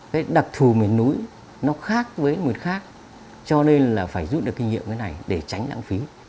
cái đặc thù miền núi nó khác với miền khác cho nên là phải rút được kinh nghiệm cái này để tránh lãng phí